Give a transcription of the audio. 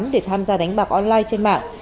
để tham gia đánh bạc online trên mạng